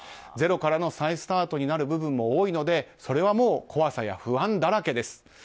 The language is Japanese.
ゼロからの再スタートになる部分も多いのでそれはもう怖さや不安だらけです。